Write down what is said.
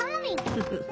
フフフ。